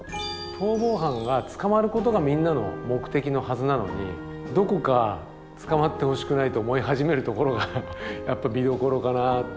逃亡犯が捕まることがみんなの目的のはずなのにどこか捕まってほしくないと思い始めるところが見どころかな。